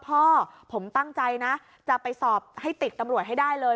พ่อผมตั้งใจนะจะไปสอบให้ติดตำรวจให้ได้เลย